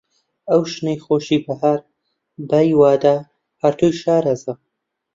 ئەی شنەی خۆشی بەهار، بای وادە! هەر تۆی شارەزا